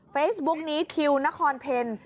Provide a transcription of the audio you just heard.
เฟซบุ๊กนี้คิวนครเพล